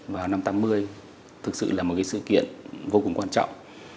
vào năm tám mươi thực sự là một cái sự kiện vô cùng quan trọng